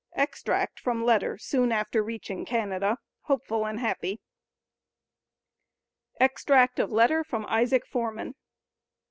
Extract from letter soon after reaching Canada hopeful and happy EXTRACT OF LETTER FROM ISAAC FORMAN.